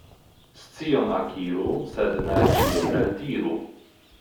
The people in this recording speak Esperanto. Scion akiru, sed ne ĉion eldiru.